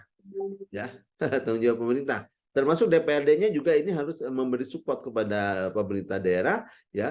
tanggung jawab pemerintah termasuk dprd nya juga ini harus memberi support kepada pemerintah daerah ya